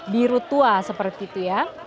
biru tua seperti itu ya